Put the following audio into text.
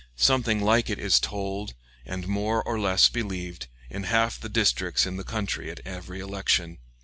Something like it is told, and more or less believed, in half the districts in the country at every election.